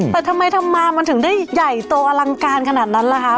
แต่ทำไมทำมามันถึงได้ใหญ่โตอลังการขนาดนั้นล่ะคะ